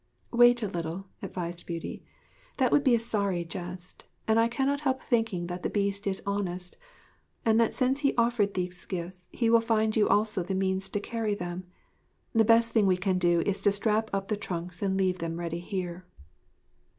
'Wait a little,' advised Beauty. 'That would be a sorry jest, and I cannot help thinking that the Beast is honest; and that since he offered these gifts he will find you also the means to carry them. The best thing we can do is to strap up the trunks and leave them ready here.'